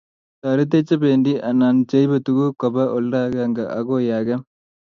taretech che pendi anan cheibe tuguk koba olda agengei akoi age